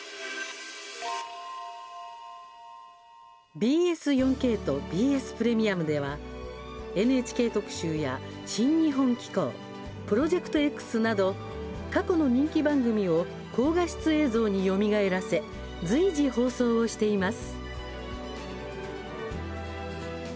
ＢＳ４ＫとＢＳプレミアムでは「ＮＨＫ特集」や「新日本紀行」「プロジェクトＸ」など過去の人気番組を高画質映像によみがえらせ随時放送をしています。